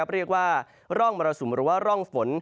เรียกว่าร่องมรสุมหรือว่าร่องฝน